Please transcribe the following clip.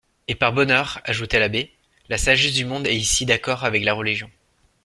Et par bonheur, ajoutait l'abbé, la sagesse du monde est ici d'accord avec la religion.